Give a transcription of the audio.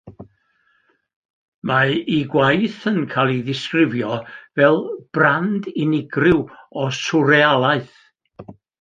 Mae ei gwaith yn cael ei ddisgrifio fel brand unigryw o swrealaeth.